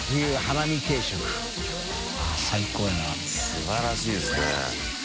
すばらしいですね。